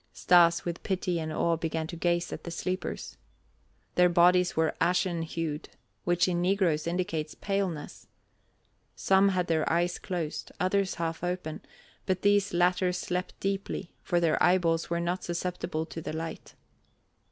Stas with pity and awe began to gaze at the sleepers. Their bodies were ashen hued, which in negroes indicates paleness. Some had their eyes closed, others half open; but these latter slept deeply, for their eyeballs were not susceptible to the light.